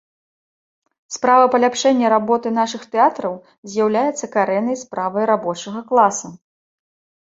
Справа паляпшэння работы нашых тэатраў з'яўляецца карэннай справай рабочага класа.